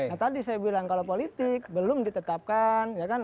nah tadi saya bilang kalau politik belum ditetapkan ya kan